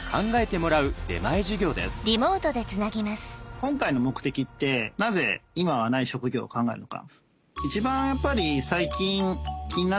今回の目的ってなぜ今はない職業を考えるのか。